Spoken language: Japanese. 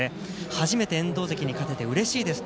初めて遠藤関に勝ててうれしいです。